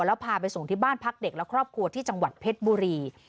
แล้วพาไปส่งที่บ้านพักเด็กและครอบครัวที่จังหวัดเพชรบุรี